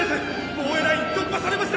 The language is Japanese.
防衛ライン突破されました！」